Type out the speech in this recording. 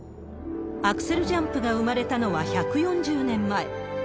アクセルジャンプが生まれたのは１４０年前。